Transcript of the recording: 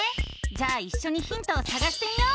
じゃあいっしょにヒントをさがしてみよう！